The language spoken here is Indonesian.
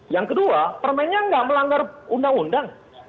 yang kedua permennya nggak melanggar undang undang